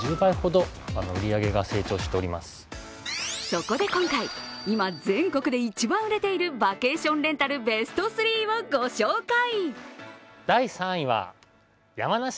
そこで今回、今、全国で一番売れているバケーションレンタルベスト３をご紹介。